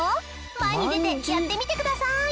前に出てやってみてください！